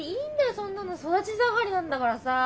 そんなの育ち盛りなんだからさ。